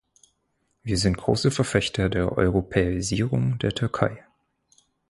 Wir sind große Verfechter der Europäisierung der Türkei.